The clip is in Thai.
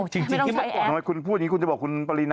จริงไม่ต้องใช้แอปทำไมคุณพูดอย่างงี้คุณจะบอกคุณปรินาปนะ